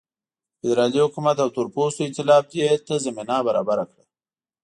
د فدرالي حکومت او تورپوستو اېتلاف دې ته زمینه برابره کړه.